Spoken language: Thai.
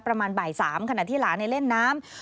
ประมาณบ่าย๓ขณะที่หลานเล่นน้ำ